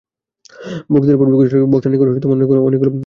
বক্তৃতার পূর্বে ঘোষণা হয় যে, বক্তার নিকট অনেকগুলি প্রশ্ন আনা হইয়াছে।